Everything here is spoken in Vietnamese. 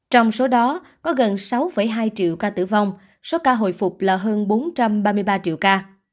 trong số đó có gần sáu hai triệu ca tử vong số ca hồi phục là hơn bốn trăm ba mươi ba triệu ca